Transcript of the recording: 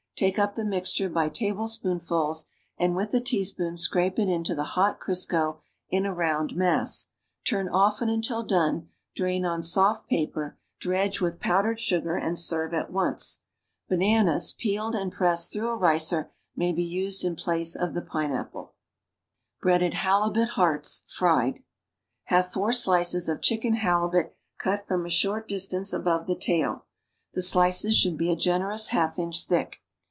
Take up the mixture by tablespoonfuls and with a teaspoon scrape it into the hot Crisco in a round mass; turn often until done; drain on soft paper, dredge with powdered sugar and serve at once. Bananas, peeled and pressed through a ricer, may be used in place of the pineapple. 37 XJac leiwl measiiremenis for all inijreil'n'.ul.H BREADED HALIBUT HEARTS, FRIED Have four slices of cliieken halibut cut from a short distance above the tail. The slices should be a generous half inch thick.